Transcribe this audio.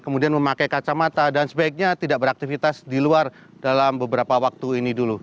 kemudian memakai kacamata dan sebaiknya tidak beraktivitas di luar dalam beberapa waktu ini dulu